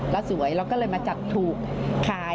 แล้วสวยเราก็เลยมาจัดถูก